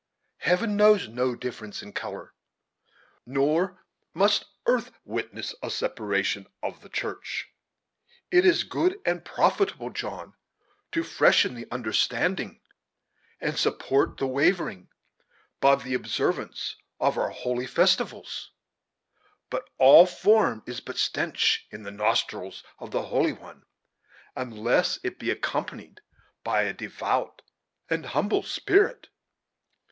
Heaven knows no difference in color; nor must earth witness a separation of the church. It is good and profitable, John, to freshen the understanding, and support the wavering, by the observance of our holy festivals; but all form is but stench in the nostrils of the Holy One, unless it be accompanied by a devout and humble spirit."